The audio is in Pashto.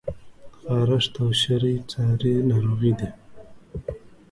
خارښت او شری څاری ناروغی دي؟